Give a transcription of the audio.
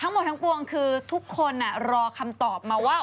ทั้งหมดทั้งปวงคือทุกคนรอคำตอบมาว่า